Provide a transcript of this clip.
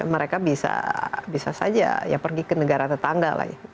mereka bisa saja pergi ke negara tetangga